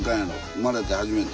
生まれて初めて。